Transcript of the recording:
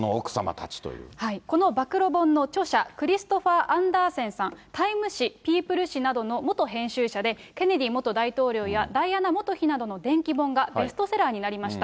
この暴露本の著者、クリストファー・アンダーセンさん、タイム誌、ピープル誌などの元編集者で、ケネディ元大統領や、ダイアナ元妃などの伝記本がベストセラーになりました。